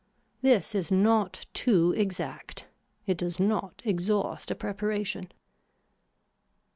This is not too exact. It does not exhaust a preparation.